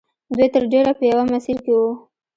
دوی تر ډېره په یوه مسیر کې وو